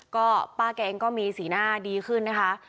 ก็ป้าแกเองก็มีสีหน้าดีขึ้นนะคะ